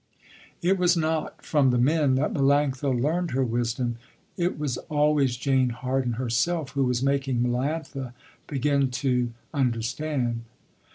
It was not from the men that Melanctha learned her wisdom. It was always Jane Harden herself who was making Melanctha begin to understand.